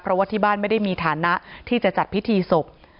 เพราะว่าที่บ้านไม่ได้มีฐานะที่จะจัดพิธีศพ